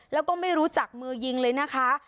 แล้วก็ไม่รู้จักมือยิงเลยนะคะ